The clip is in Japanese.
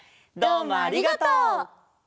どうもありがとう！